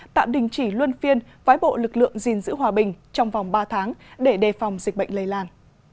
tạm đình chỉ luân phiên vái bộ lực lượng gìn giữ hòa bình trong vòng ba tháng để đề phòng dịch bệnh lây lan